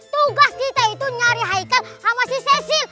tugas kita itu nyari haikal sama si cecil